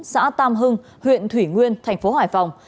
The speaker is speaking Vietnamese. xã tam hưng huyện thủy nguyên thành phố hải phòng